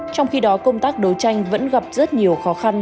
trong khi đó công tác đấu tranh vẫn gặp rất nhiều khó khăn